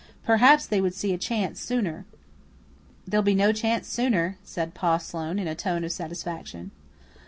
Perhaps they would see a chance sooner. "There'll be no chance sooner," said Pa Sloane in a tone of satisfaction.